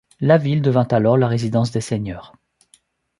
La ville devint alors la résidence des seigneurs.